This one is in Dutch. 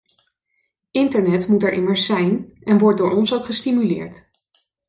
Internet moet er immers zijn en wordt door ons ook gestimuleerd.